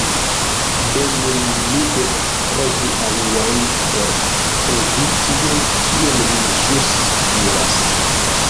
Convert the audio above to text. Do nun mi devas trovi aliajn por pruvi tion kion mi ĵus diras.